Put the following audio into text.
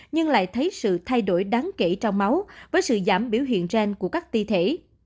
nhưng lại thấy sự thay đổi đáng kể trong máu với sự giảm biểu hiện gen của các thi thể